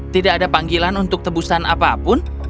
tidak ada panggilan untuk tebusan apapun